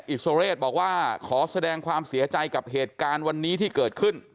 อิสรเรศบอกว่าขอแสดงความเสียใจกับเหตุการณ์วันนี้ที่เกิดขึ้น